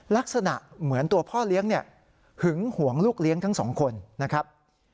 ลักษณะเหมือนตัวพ่อเลี้ยงหึงห่วงลูกเลี้ยงทั้งสองคนนะครับ